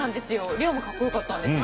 龍馬かっこよかったんですよ。